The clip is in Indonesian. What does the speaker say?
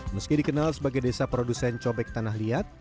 meski dikenal sebagai desa produsen cobek tanah liat